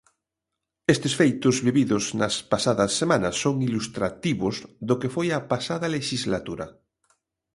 Estes feitos vividos nas pasadas semanas son ilustrativos do que foi a pasada lexislatura.